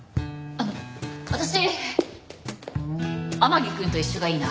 あの私天樹くんと一緒がいいな。